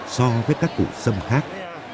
so với các cụ sâm khác